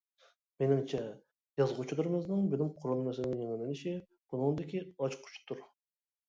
مېنىڭچە، يازغۇچىلىرىمىزنىڭ بىلىم قۇرۇلمىسىنىڭ يېڭىلىنىشى بۇنىڭدىكى ئاچقۇچتۇر.